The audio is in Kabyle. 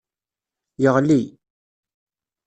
Yeɣli.